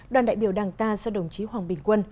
đoàn đại biểu đảng ta do đồng chí hoàng bình quân